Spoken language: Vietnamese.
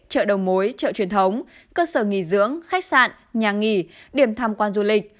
chợ đầu mối chợ truyền thống cơ sở nghỉ dưỡng khách sạn nhà nghỉ điểm tham quan du lịch